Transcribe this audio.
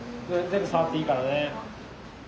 全部触っていいからね。